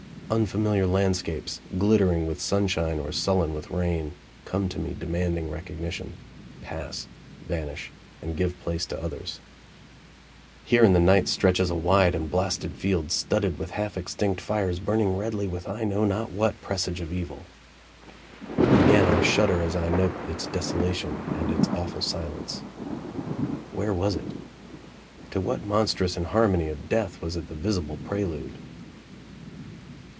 Unfamiliar landscapes, glittering with sunshine or sullen with rain, come to me demanding recognition, pass, vanish and give place to others. Here in the night stretches a wide and blasted field studded with half extinct fires burning redly with I know not what presage of evil. Again I shudder as I note its desolation and its awful silence. Where was it? To what monstrous inharmony of death was it the visible prelude?